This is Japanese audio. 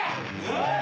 おい！